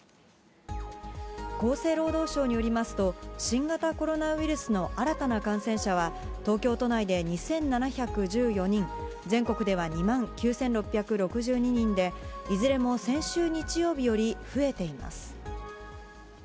厚生労働省によりますと、新型コロナウイルスの新たな感染者は東京都内で２７１４人、全国では２万９６６２人で、いずれも先週日曜日より増えています。